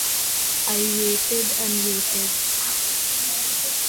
I waited and waited.